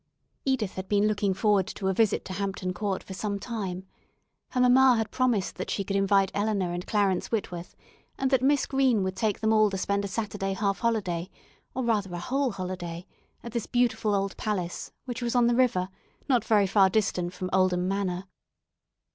Edith had been looking forward to a visit to Hampton Court for some time. Her mamma had promised that she could invite Eleanor and Clarence Whitworth and that Miss Green would take them all to spend a Saturday half holiday, or rather a whole holiday, at this beautiful old palace, which was on the river, not very far distant from Oldham Manor.